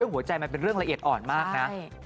หัวใจมันเป็นเรื่องละเอียดอ่อนมากนะ